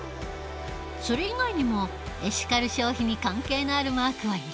それ以外にもエシカル消費に関係のあるマークはいろいろある。